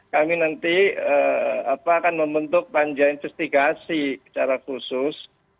kami nanti akan membentuk panja investigasi secara khusus